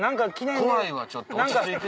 怖いわちょっと落ち着いて。